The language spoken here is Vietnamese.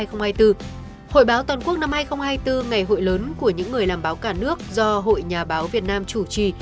hội báo toàn quốc năm hai nghìn hai mươi bốn ngày hội lớn của những người làm báo cả nước do hội nhà báo việt nam chủ trì